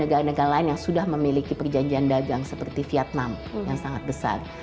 dan juga negara negara lain yang sudah memiliki perjanjian dagang seperti vietnam yang sangat besar